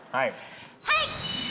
はい！